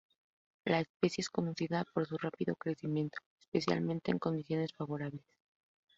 La especie es conocida por su rápido crecimiento, especialmente en condiciones favorables.